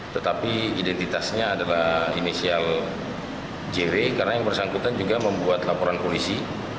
tetapi identitasnya adalah inisial jw karena yang bersangkutan juga membuat laporan polisi